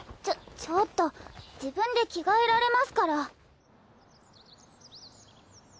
ちょちょっと自分で着替えられますから。